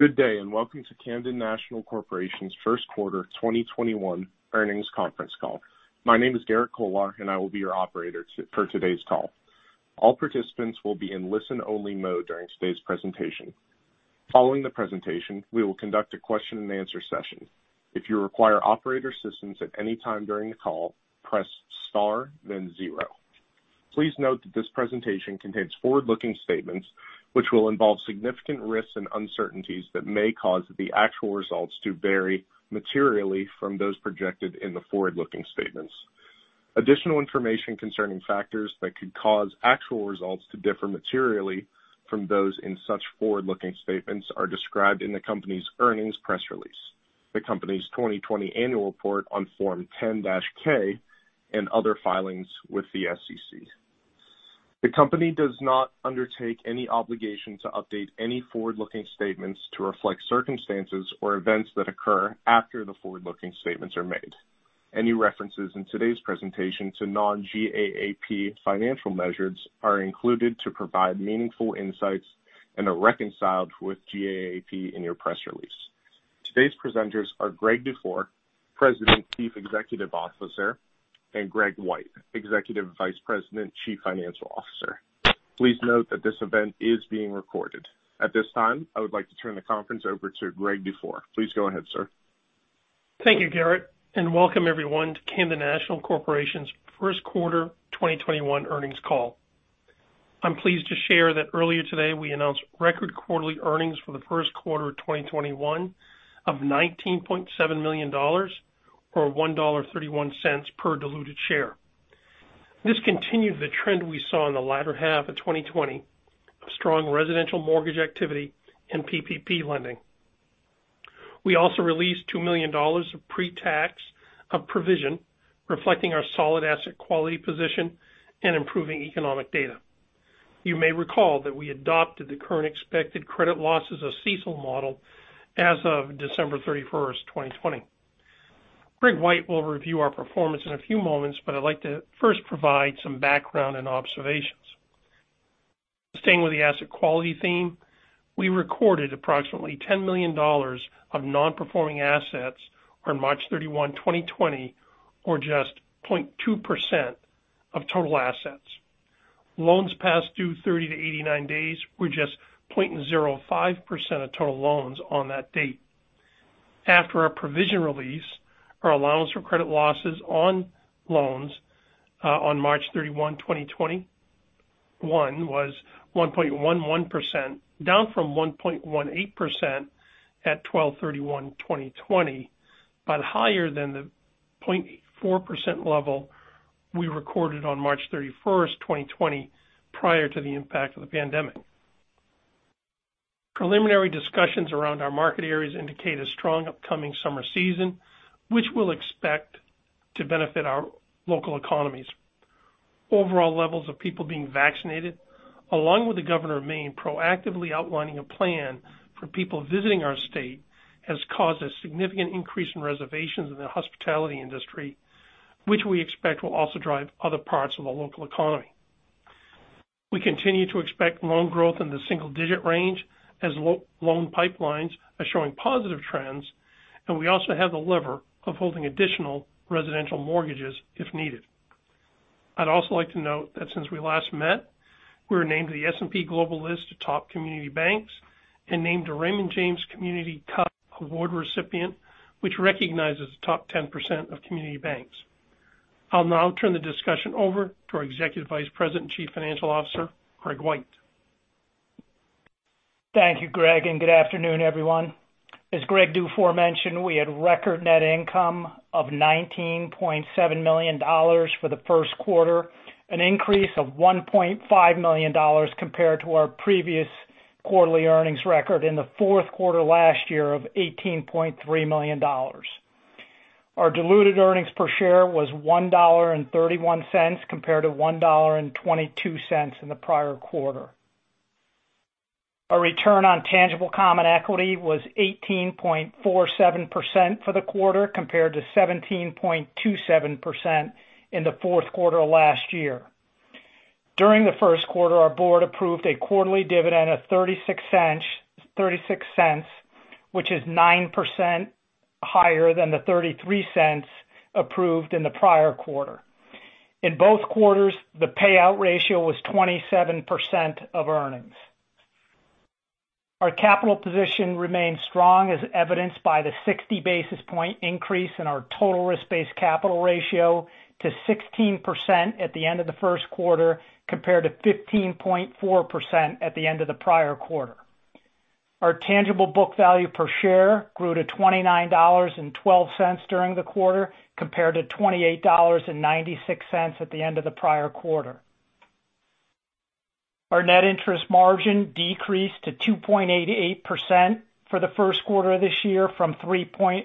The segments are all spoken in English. Good day, welcome to Camden National Corporation's first quarter 2021 earnings conference call. My name is Garrett Kolak, and I will be your operator for today's call. All participants will be in listen-only mode during today's presentation. Following the presentation, we will conduct a question and answer session. If you require operator assistance at any time during the call, press star then zero. Please note that this presentation contains forward-looking statements, which will involve significant risks and uncertainties that may cause the actual results to vary materially from those projected in the forward-looking statements. Additional information concerning factors that could cause actual results to differ materially from those in such forward-looking statements are described in the company's earnings press release, the company's 2020 annual report on Form 10-K, and other filings with the SEC. The company does not undertake any obligation to update any forward-looking statements to reflect circumstances or events that occur after the forward-looking statements are made. Any references in today's presentation to non-GAAP financial measures are included to provide meaningful insights and are reconciled with GAAP in our press release. Today's presenters are Greg Dufour, President, Chief Executive Officer, and Greg White, Executive Vice President, Chief Financial Officer. Please note that this event is being recorded. At this time, I would like to turn the conference over to Greg Dufour. Please go ahead, sir. Thank you, Garrett, and welcome everyone to Camden National Corporation's first quarter 2021 earnings call. I'm pleased to share that earlier today, we announced record quarterly earnings for the first quarter of 2021 of $19.7 million, or $1.31 per diluted share. This continued the trend we saw in the latter half of 2020 of strong residential mortgage activity and PPP lending. We also released $2 million of pre-tax, a provision reflecting our solid asset quality position and improving economic data. You may recall that we adopted the current expected credit losses, or CECL, model as of December 31st, 2020. Greg White will review our performance in a few moments. I'd like to first provide some background and observations. Staying with the asset quality theme, we recorded approximately $10 million of non-performing assets on March 31, 2020, or just 0.2% of total assets. Loans past due 30-89 days were just 0.05% of total loans on that date. After our provision release, our allowance for credit losses on loans on March 31, 2021 was 1.11%, down from 1.18% at 12/31/2020, but higher than the 0.4% level we recorded on March 31st, 2020, prior to the impact of the pandemic. Preliminary discussions around our market areas indicate a strong upcoming summer season, which we'll expect to benefit our local economies. Overall levels of people being vaccinated, along with the governor of Maine proactively outlining a plan for people visiting our state, has caused a significant increase in reservations in the hospitality industry, which we expect will also drive other parts of the local economy. We continue to expect loan growth in the single-digit range as loan pipelines are showing positive trends, and we also have the lever of holding additional residential mortgages if needed. I'd also like to note that since we last met, we were named to the S&P Global list of top community banks and named a Raymond James Community Cup award recipient, which recognizes the top 10% of community banks. I'll now turn the discussion over to our Executive Vice President and Chief Financial Officer, Greg White. Thank you, Greg. Good afternoon, everyone. As Greg Dufour mentioned, we had record net income of $19.7 million for the first quarter, an increase of $1.5 million compared to our previous quarterly earnings record in the fourth quarter last year of $18.3 million. Our diluted earnings per share was $1.31 compared to $1.22 in the prior quarter. Our return on tangible common equity was 18.47% for the quarter, compared to 17.27% in the fourth quarter last year. During the first quarter, our board approved a quarterly dividend of $0.36, which is 9% higher than the $0.33 approved in the prior quarter. In both quarters, the payout ratio was 27% of earnings. Our capital position remains strong as evidenced by the 60-basis point increase in our total risk-based capital ratio to 16% at the end of the first quarter, compared to 15.4% at the end of the prior quarter. Our tangible book value per share grew to $29.12 during the quarter, compared to $28.96 at the end of the prior quarter. Our net interest margin decreased to 2.88% for the first quarter of this year from 3.06%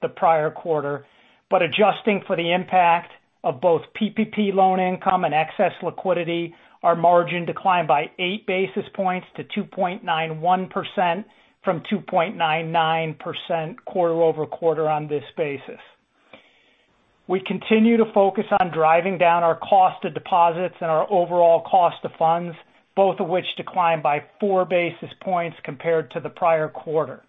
the prior quarter. Adjusting for the impact of both PPP loan income and excess liquidity, our margin declined by eight basis points to 2.91% from 2.99% quarter-over-quarter on this basis. We continue to focus on driving down our cost of deposits and our overall cost of funds, both of which declined by four basis points compared to the prior quarter.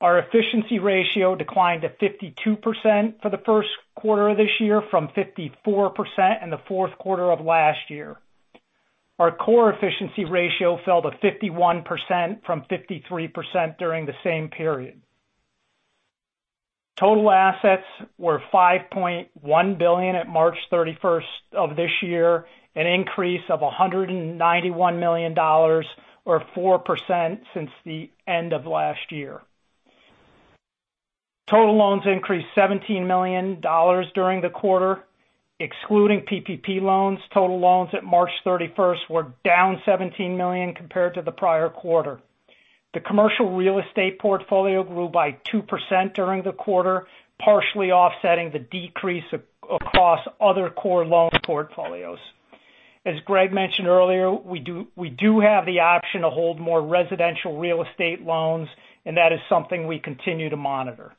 Our efficiency ratio declined to 52% for the first quarter of this year from 54% in the fourth quarter of last year. Our core efficiency ratio fell to 51% from 53% during the same period. Total assets were $5.1 billion at March 31st of this year, an increase of $191 million or 4% since the end of last year. Total loans increased $17 million during the quarter. Excluding PPP loans, total loans at March 31st were down $17 million compared to the prior quarter. The commercial real estate portfolio grew by 2% during the quarter, partially offsetting the decrease across other core loan portfolios. As Greg mentioned earlier, we do have the option to hold more residential real estate loans, and that is something we continue to monitor.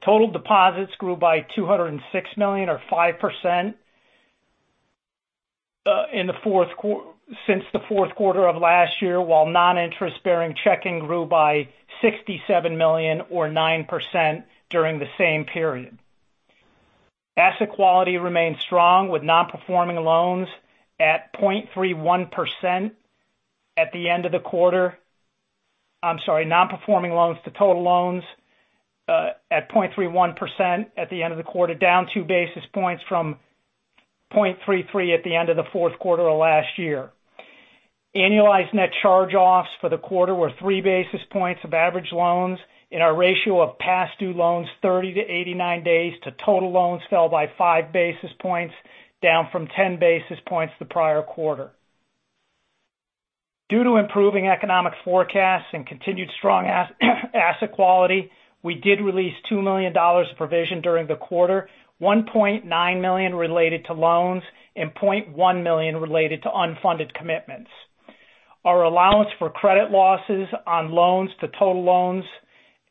Total deposits grew by $206 million or 5% since the fourth quarter of last year, while non-interest-bearing checking grew by $67 million or 9% during the same period. Asset quality remains strong, with non-performing loans to total loans at 0.31% at the end of the quarter, down two basis points from 0.33% at the end of the fourth quarter of last year. Annualized net charge-offs for the quarter were three basis points of average loans, and our ratio of past due loans 30 to 89 days to total loans fell by five basis points, down from 10 basis points the prior quarter. Due to improving economic forecasts and continued strong asset quality, we did release $2 million of provision during the quarter, $1.9 million related to loans and $0.1 million related to unfunded commitments. Our allowance for credit losses on loans to total loans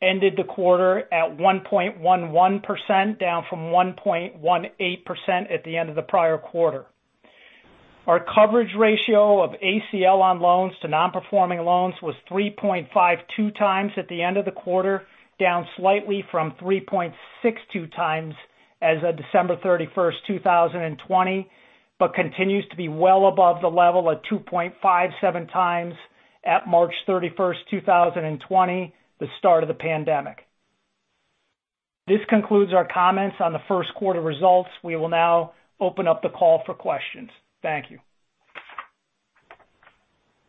ended the quarter at 1.11%, down from 1.18% at the end of the prior quarter. Our coverage ratio of ACL on loans to non-performing loans was 3.52 times at the end of the quarter, down slightly from 3.62 times as of December 31st, 2020, but continues to be well above the level of 2.57 times at March 31st, 2020, the start of the pandemic. This concludes our comments on the first quarter results. We will now open up the call for questions. Thank you.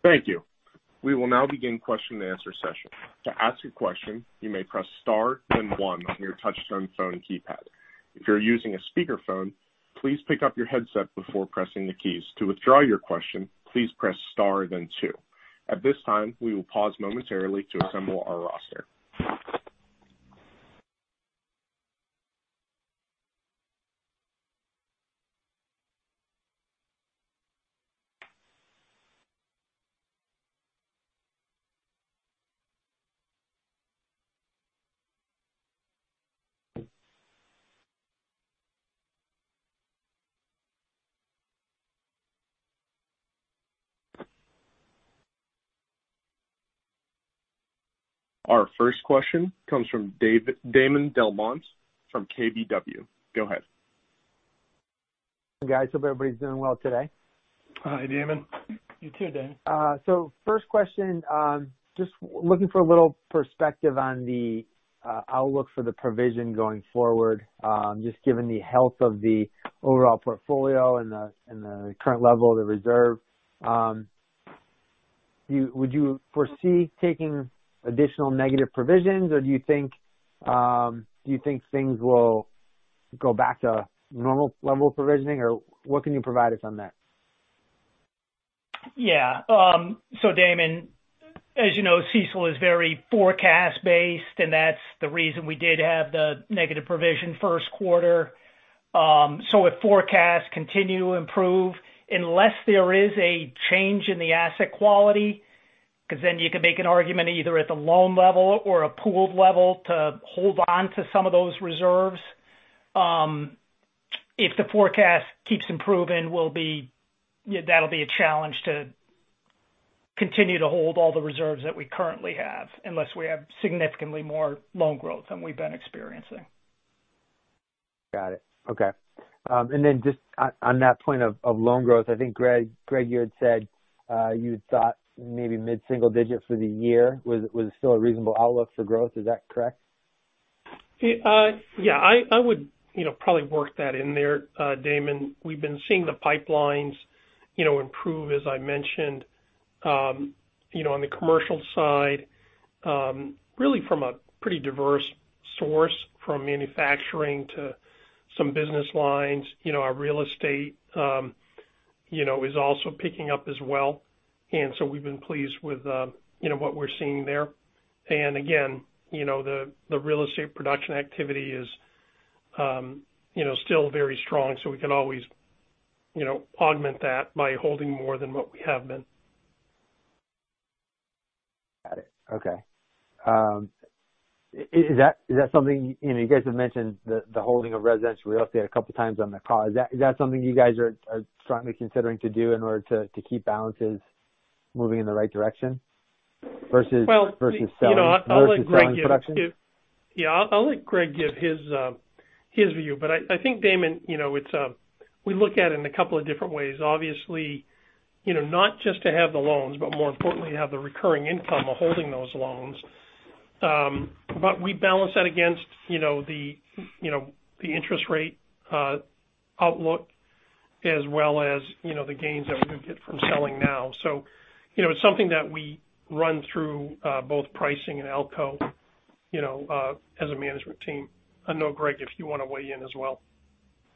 Thank you. We will now begin question and answer session. Our first question comes from Damon DelMonte from KBW. Go ahead. Guys, hope everybody's doing well today. Hi, Damon. You too, Damon. First question, just looking for a little perspective on the outlook for the provision going forward. Just given the health of the overall portfolio and the current level of the reserve. Would you foresee taking additional negative provisions or do you think things will go back to normal level of provisioning or what can you provide us on that? Yeah. Damon, as you know, CECL is very forecast based, and that's the reason we did have the negative provision first quarter. If forecasts continue to improve, unless there is a change in the asset quality, because then you can make an argument either at the loan level or a pooled level to hold on to some of those reserves. If the forecast keeps improving, that'll be a challenge to continue to hold all the reserves that we currently have unless we have significantly more loan growth than we've been experiencing. Got it. Okay. Then just on that point of loan growth, I think Greg, you had said you thought maybe mid-single digits for the year. Was it still a reasonable outlook for growth? Is that correct? Yeah, I would probably work that in there, Damon. We've been seeing the pipelines improve, as I mentioned on the commercial side really from a pretty diverse source, from manufacturing to some business lines. Our real estate is also picking up as well. We've been pleased with what we're seeing there. Again, the real estate production activity is still very strong. We can always augment that by holding more than what we have been. Got it. Okay. You guys have mentioned the holding of residential real estate a couple times on the call. Is that something you guys are strongly considering to do in order to keep balances moving in the right direction versus- Well- Versus selling production? I'll let Greg give his view. I think, Damon DelMonte, we look at it in a couple of different ways. Obviously, not just to have the loans, but more importantly, to have the recurring income of holding those loans. We balance that against the interest rate outlook as well as the gains that we could get from selling now. It's something that we run through both pricing and ALCO as a management team. I know, Greg, if you want to weigh in as well.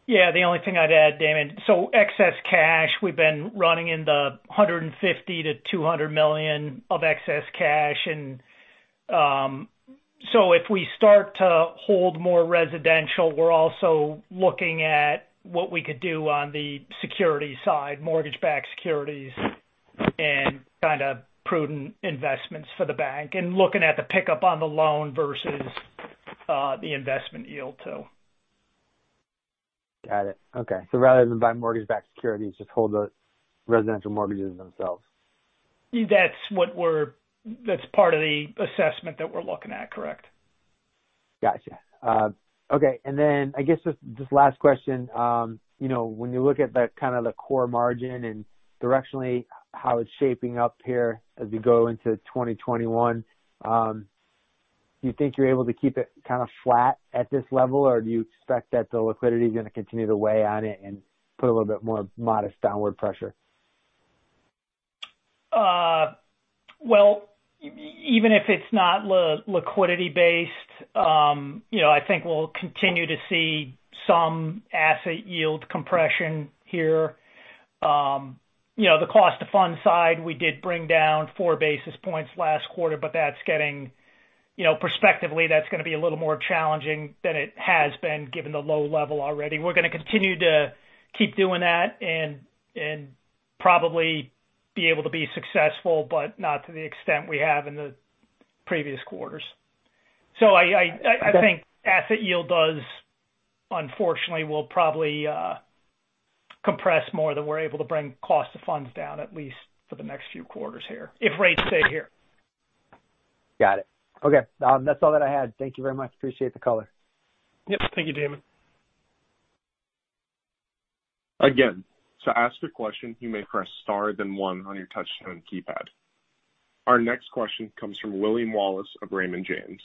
Yeah. The only thing I'd add, Damon DelMonte. Excess cash, we've been running in the $150 million to $200 million of excess cash. If we start to hold more residential, we're also looking at what we could do on the security side, mortgage-backed securities, and kind of prudent investments for the bank. Looking at the pickup on the loan versus the investment yield too. Got it. Okay. Rather than buy mortgage-backed securities, just hold the residential mortgages themselves. That's part of the assessment that we're looking at, correct. Got you. Okay. I guess just this last question. When you look at the kind of the core margin and directionally how it's shaping up here as we go into 2021, do you think you're able to keep it kind of flat at this level? Do you expect that the liquidity is going to continue to weigh on it and put a little bit more modest downward pressure? Even if it's not liquidity based, I think we'll continue to see some asset yield compression here. The cost of funds side, we did bring down 4 basis points last quarter, but perspectively, that's going to be a little more challenging than it has been given the low level already. We're going to continue to keep doing that and probably be able to be successful, but not to the extent we have in the previous quarters. I think asset yield does, unfortunately, will probably compress more than we're able to bring cost of funds down at least for the next few quarters here, if rates stay here. Got it. Okay. That's all that I had. Thank you very much. Appreciate the color. Yep. Thank you, Damon. Our next question comes from William Wallace of Raymond James.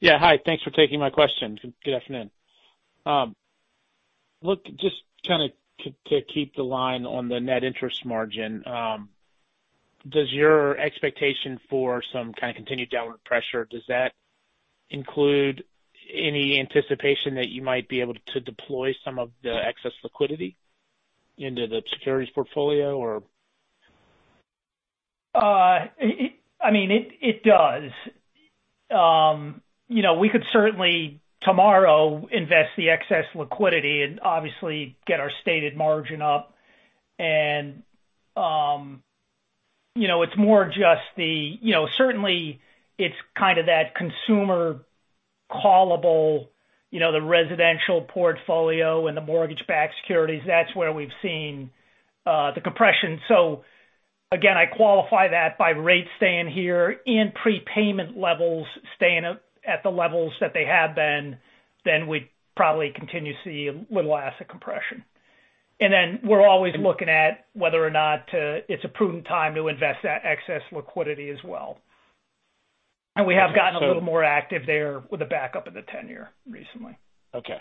Yeah. Hi. Thanks for taking my question. Good afternoon. Just kind of to keep the line on the net interest margin. Does your expectation for some kind of continued downward pressure, does that include any anticipation that you might be able to deploy some of the excess liquidity into the securities portfolio or? It does. We could certainly tomorrow invest the excess liquidity and obviously get our stated margin up. Certainly it's kind of that consumer callable, the residential portfolio and the mortgage-backed securities. That's where we've seen the compression. Again, I qualify that by rates staying here and prepayment levels staying at the levels that they have been, then we'd probably continue to see a little asset compression. We're always looking at whether or not it's a prudent time to invest that excess liquidity as well. We have gotten a little more active there with the backup of the 10-year recently. Okay.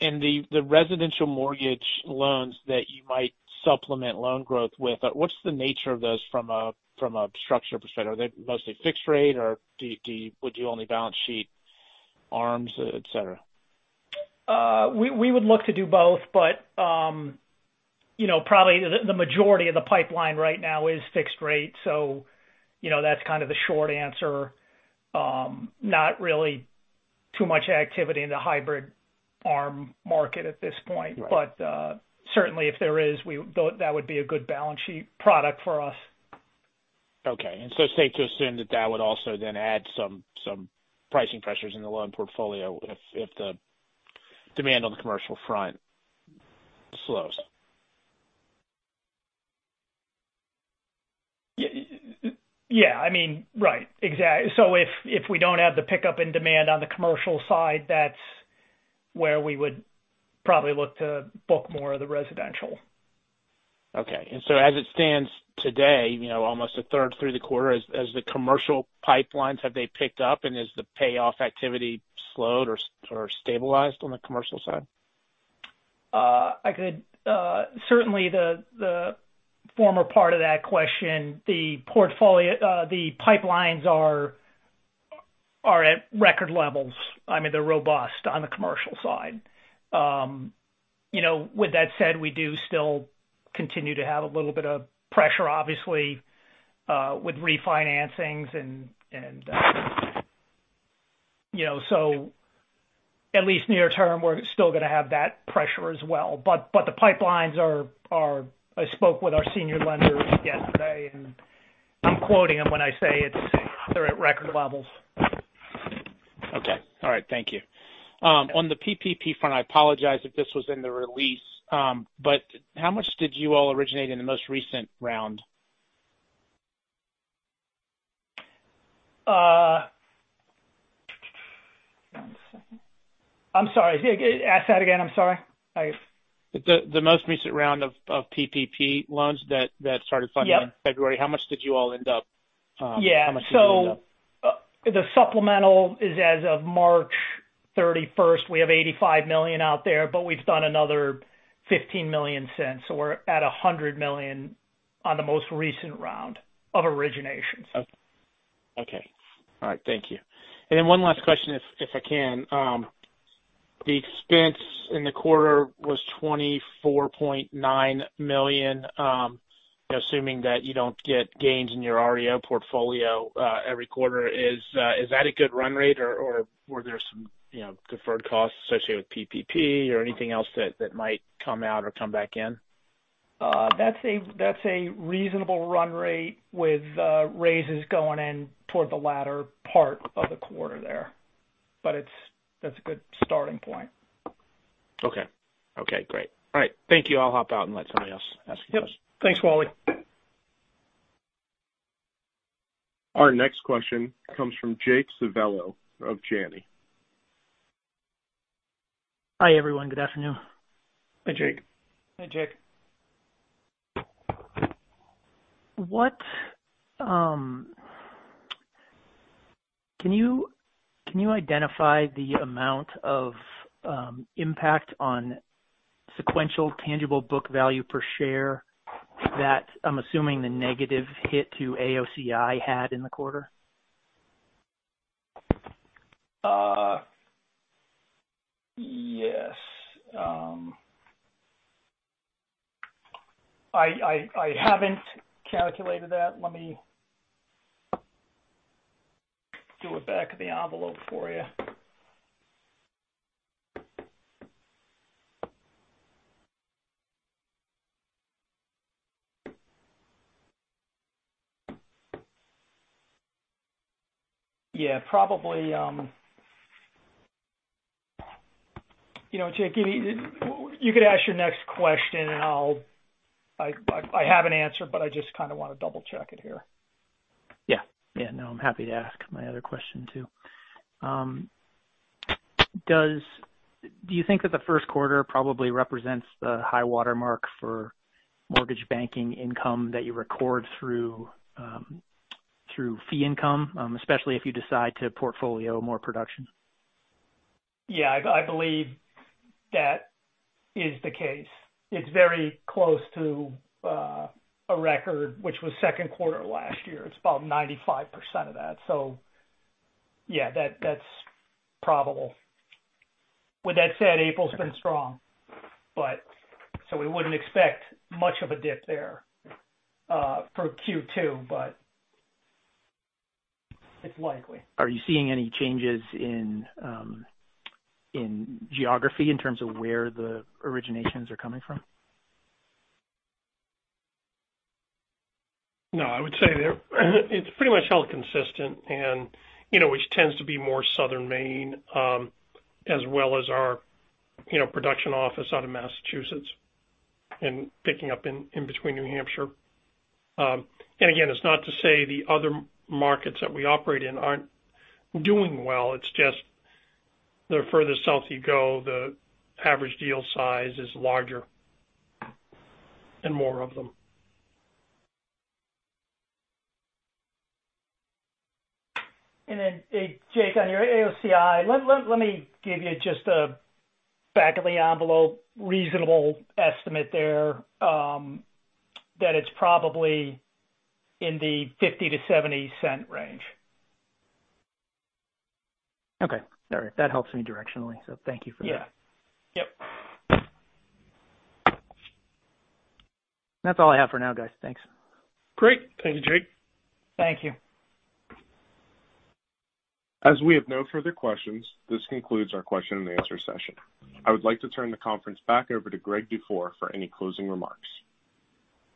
The residential mortgage loans that you might supplement loan growth with, what's the nature of those from a structure perspective? Are they mostly fixed rate, or would you only balance sheet ARMs, et cetera? We would look to do both, probably the majority of the pipeline right now is fixed rate. That's kind of the short answer. Not really too much activity in the hybrid ARM market at this point. Certainly if there is, that would be a good balance sheet product for us. Okay. It's safe to assume that that would also then add some pricing pressures in the loan portfolio if the demand on the commercial front slows. Yeah. Right. Exactly. If we don't have the pickup in demand on the commercial side, that's where we would probably look to book more of the residential. Okay. As it stands today, almost a third through the quarter, as the commercial pipelines, have they picked up and has the payoff activity slowed or stabilized on the commercial side? Certainly the former part of that question. The pipelines are at record levels. They're robust on the commercial side. With that said, we do still continue to have a little bit of pressure, obviously, with refinancings. At least near term, we're still going to have that pressure as well. I spoke with our senior lenders yesterday, and I'm quoting them when I say they're at record levels. Okay. All right. Thank you. On the PPP front, I apologize if this was in the release, but how much did you all originate in the most recent round? One second. I'm sorry. Ask that again. I'm sorry. The most recent round of PPP loans that started funding. Yeah In February, how much did you all end up? Yeah.The supplemental is as of March 31st. We have $85 million out there, but we've done another $15 million since. We're at $100 million on the most recent round of originations. Okay. All right. Thank you. One last question, if I can. The expense in the quarter was $24.9 million. Assuming that you don't get gains in your REO portfolio every quarter, is that a good run rate or were there some deferred costs associated with PPP or anything else that might come out or come back in? That's a reasonable run rate with raises going in toward the latter part of the quarter there. That's a good starting point. Okay. Great. All right. Thank you. I'll hop out and let somebody else ask. Yep. Thanks, William Wallace. Our next question comes from Jake Civiello of Janney. Hi, everyone. Good afternoon. Hi, Jake. Hi, Jake. Can you identify the amount of impact on sequential tangible book value per share that I'm assuming the negative hit to AOCI had in the quarter? Yes. I haven't calculated that. Let me do a back-of-the-envelope for you. Yeah, probably. Jake, you could ask your next question. I have an answer, but I just kind of want to double-check it here. Yeah. No, I'm happy to ask my other question too. Do you think that the first quarter probably represents the high watermark for mortgage banking income that you record through fee income, especially if you decide to portfolio more production? Yeah, I believe that is the case. It's very close to a record, which was second quarter last year. It's about 95% of that. Yeah, that's probable. With that said, April's been strong. We wouldn't expect much of a dip there for Q2, but it's likely. Are you seeing any changes in geography in terms of where the originations are coming from? No, I would say it's pretty much held consistent which tends to be more Southern Maine as well as our production office out of Massachusetts and picking up in between New Hampshire. Again, it's not to say the other markets that we operate in aren't doing well. It's just the further south you go, the average deal size is larger and more of them. Jake, on your AOCI, let me give you just a back of the envelope reasonable estimate there that it's probably in the $0.50-$0.70 range. Okay. All right. That helps me directionally. Thank you for that. Yeah. That's all I have for now, guys. Thanks. Great. Thank you, Jake. Thank you. As we have no further questions, this concludes our question and answer session. I would like to turn the conference back over to Greg Dufour for any closing remarks.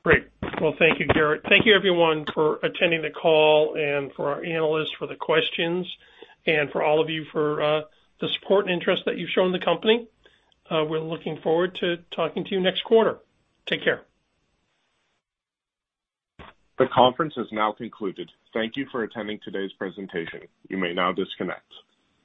Great. Well, thank you, Garrett. Thank you everyone for attending the call and for our analysts for the questions, and for all of you for the support and interest that you've shown the company. We're looking forward to talking to you next quarter. Take care. The conference is now concluded. Thank you for attending today's presentation. You may now disconnect.